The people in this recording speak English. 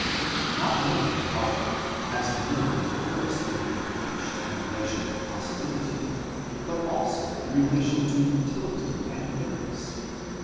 Not only, however, has the miracle before us been impeached in relation to possibility, but also in relation to utility and fitness.